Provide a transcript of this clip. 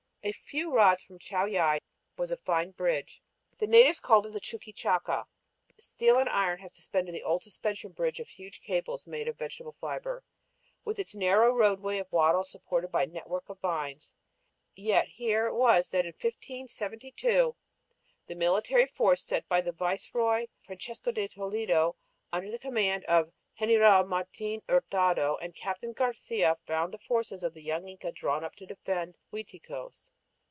A few rods from Chauillay was a fine bridge. The natives call it Chuquichaca! Steel and iron have superseded the old suspension bridge of huge cables made of vegetable fiber, with its narrow roadway of wattles supported by a network of vines. Yet here it was that in 1572 the military force sent by the viceroy, Francisco de Toledo, under the command of General Martin Hurtado and Captain Garcia, found the forces of the young Inca drawn up to defend Uiticos.